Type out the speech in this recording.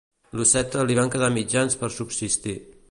Lucetta li van quedar mitjans per subsistir.